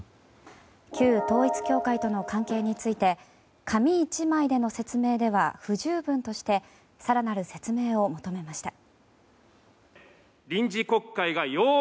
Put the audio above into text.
旧統一教会との関係について紙１枚での説明では不十分として更なる説明を求めました。